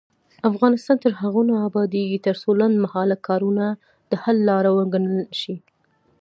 افغانستان تر هغو نه ابادیږي، ترڅو لنډمهاله کارونه د حل لاره وګڼل شي.